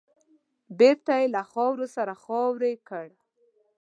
بېرته يې له خاورو سره خاورې کړ .